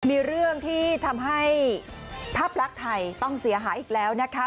มีเรื่องที่ทำให้ภาพลักษณ์ไทยต้องเสียหายอีกแล้วนะคะ